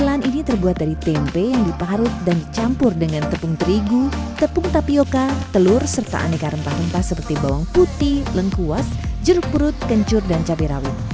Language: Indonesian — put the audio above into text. makanan ini terbuat dari tempe yang diparut dan dicampur dengan tepung terigu tepung tapioca telur serta aneka rempah rempah seperti bawang putih lengkuas jeruk perut kencur dan cabai rawit